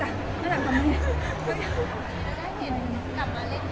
แล้วได้หินกลับมาเล่นละคร